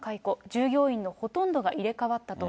従業員のほとんどが入れ代わったと。